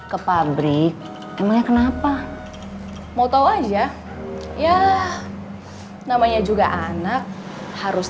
kasih tau yang di dalam